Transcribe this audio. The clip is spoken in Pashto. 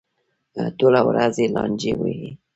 ټوله ورځ یې لانجې وي.